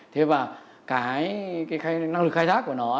thế và cái năng lực khai thác của nó